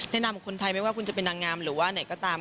นามคนไทยไม่ว่าคุณจะเป็นนางงามหรือว่าไหนก็ตาม